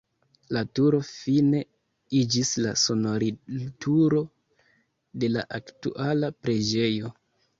La turo fine iĝis la sonorilturo de la aktuala preĝejo.